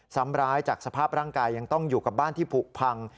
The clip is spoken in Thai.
ซ้ำร้ายจากสภาพร่างกายยังต้องอยู่กับบ้านที่ผูกพัง